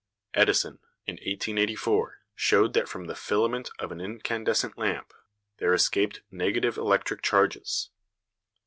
Edison, in 1884, showed that from the filament of an incandescent lamp there escaped negative electric charges.